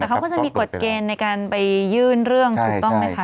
แต่เขาก็จะมีกฎเกณฑ์ในการไปยื่นเรื่องถูกต้องไหมคะ